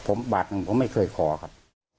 ผมบาทหนึ่งผมไม่เคยขอครับ